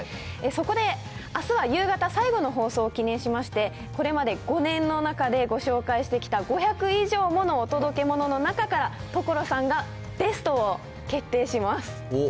そこで、あすは夕方最後の放送を記念しまして、これまで５年の中でご紹介してきた５００以上ものお届けモノの中から、所さんがベストを決定します。